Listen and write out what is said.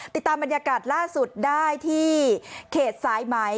ติดตามบรรยากาศล่าสุดได้ที่เขตสายไหม